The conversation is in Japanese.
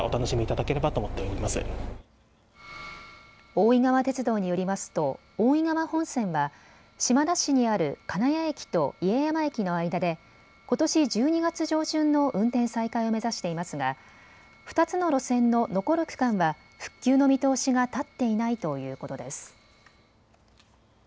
大井川鉄道によりますと大井川本線は島田市にある金谷駅と家山駅の間でことし１２月上旬の運転再開を目指していますが２つの路線の残る区間は復旧の見通しが立っていないということです。